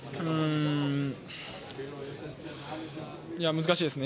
難しいですね。